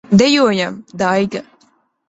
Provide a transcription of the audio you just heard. Dejojam, Daiga!